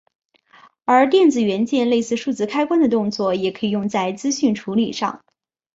而电子元件类似数字开关的动作也可以用在资讯处理上。